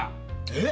えっ？